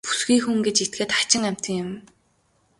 Бүсгүй хүн гэж этгээд хачин амьтан юм.